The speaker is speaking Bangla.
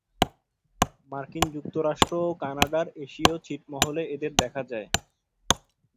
মার্কিন যুক্তরাষ্ট্র ও কানাডার এশীয় ছিটমহলে এদের দেখা যায়।